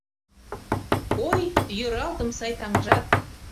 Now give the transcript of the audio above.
Ой, йӧралтым сай таҥжат